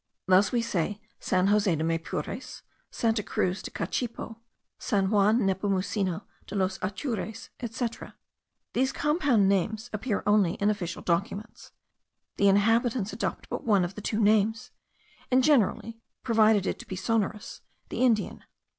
Thus we say, San Jose de Maypures, Santa Cruz de Cachipo, San Juan Nepomuceno de los Atures, etc. These compound names appear only in official documents; the Inhabitants adopt but one of the two names, and generally, provided it be sonorous, the Indian.